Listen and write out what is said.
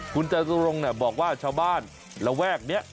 คุณจตุรงค์บอกว่าชาวบ้านระแวกนี้